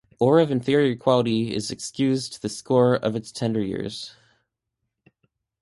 Ore of inferior quality is excused on the score of its tender years.